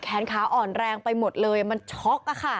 แขนขาอ่อนแรงไปหมดเลยมันช็อก